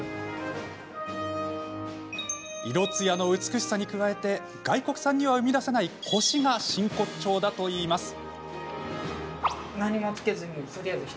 色つやの美しさに加えて外国産には生み出せないコシが真骨頂だといいます。